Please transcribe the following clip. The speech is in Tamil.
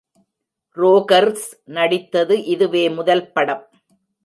ரோகர்ஸ் நடித்தது அதுவே முதல் படம்!